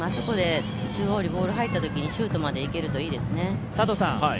中央にボールが入ったときにシュートまでいけるといいですね。